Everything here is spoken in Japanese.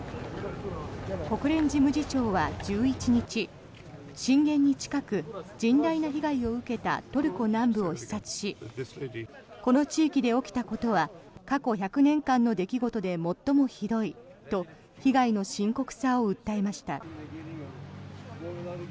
国連事務次長は１１日震源に近く、甚大な被害を受けたトルコ南部を視察しこの地域で起きたことは過去１００年間の出来事で最もひどいと被害の深刻さを訴えました。